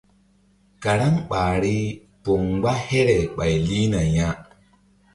Karaŋ ɓahri poŋ mgba here ɓay lihna ya.